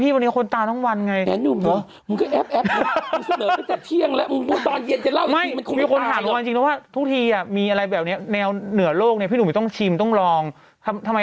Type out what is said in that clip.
พี่วันนี้คนตามตั้งวันไง